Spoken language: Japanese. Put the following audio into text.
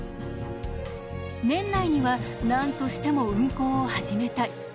年内には何としても運行を始めたい。